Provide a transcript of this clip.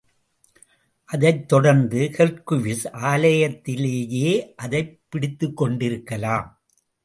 அதைத் தொடர்ந்து ஹெர்க்குவிஸ் ஆலயத்திலேயே அதைப் பிடித்துக்கொண்டிருக்கலாம்.